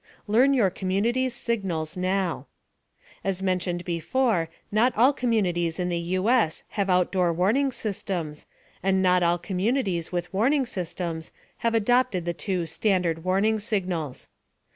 LEARN YOUR COMMUNITY'S SIGNALS NOW As mentioned before not all communities in the U.S. have outdoor warning systems, and not all communities with warning systems have adopted the two "standard" warning signals.